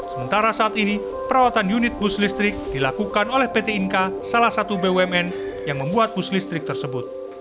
sementara saat ini perawatan unit bus listrik dilakukan oleh pt inka salah satu bumn yang membuat bus listrik tersebut